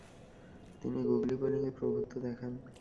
তিনি গুগলি বোলিংয়ে প্রভূত্ব দেখান।